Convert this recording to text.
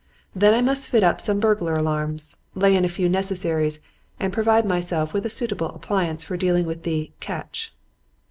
Then I must fit up some burglar alarms, lay in a few little necessaries and provide myself with a suitable appliance for dealing with the 'catch.'